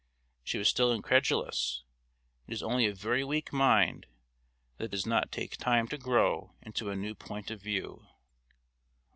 She was still incredulous; it is only a very weak mind that does not take time to grow into a new point of view.